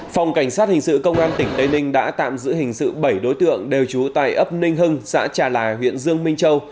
phòng cảnh sát hình sự công an tỉnh tây ninh đã tạm giữ hình sự bảy đối tượng đều trú tại ấp ninh hưng xã trà là huyện dương minh châu